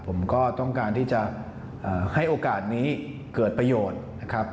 ผมก็ต้องการที่จะให้โอกาสนี้เกิดประโยชน์นะครับ